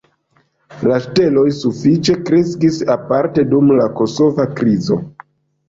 La ŝteloj sufiĉe kreskis aparte dum la kosova krizo.